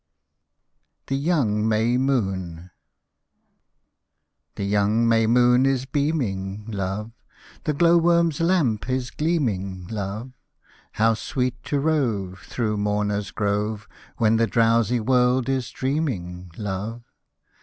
THE YOUNG MAY MOON The young May moon is beaming, love. The glow worm's lamp is gleaming, love, How sweet to rove Through Morna's grove. When the drowsy world is dreaming, love